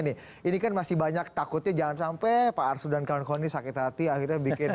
nih ini kan masih banyak takutnya jangan sampai pak arsudan kalonkoni sakit hati akhirnya bikin